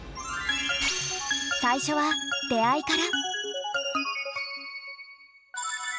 最初は出会いから。